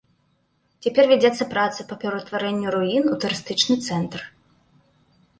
Цяпер вядзецца праца па пераўтварэнню руін у турыстычны цэнтр.